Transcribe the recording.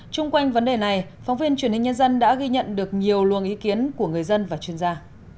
trung quanh vấn đề này phóng viên truyền hình nhân dân đã ghi nhận được nhiều luồng ý kiến của người dân và chuyên gia